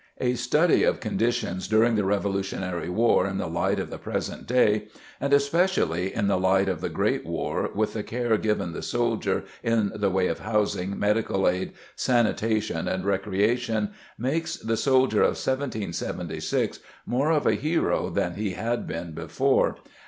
A study of conditions during the Revolutionary War in the light of the present day and especially in the light of the Great War with the care given the soldiers in the way of housing, medical aid, sanitation and recreation makes the soldier of 1776 more of a hero than he had been before.